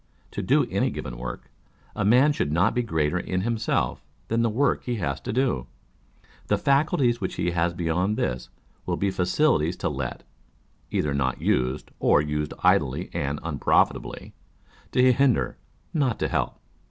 To do any given work, a man should not be greater in himself than the work he has to do ; the faculties which he has beyond this, will be facilities to let, either not used, or used idly and unprofitably, to hinder, not to help.